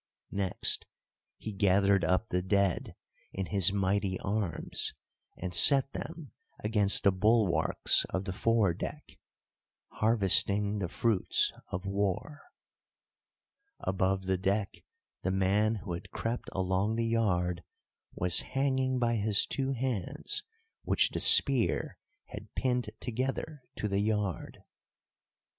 Next he gathered up the dead in his mighty arms, and set them against the bulwarks of the fore deck—harvesting the fruits of War. Above the deck the man who had crept along the yard was hanging by his two hands which the spear had pinned together to the yard.